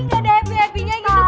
nggak ada yang happy happiness gitu